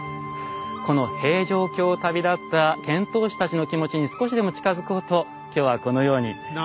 この平城京を旅立った遣唐使たちの気持ちに少しでも近づこうと今日はこのように奈良時代の貴族の格好になってみました。